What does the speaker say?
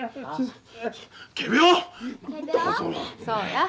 そうや。